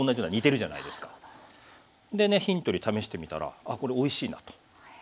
でねヒントに試してみたら「あっこれおいしいな」と。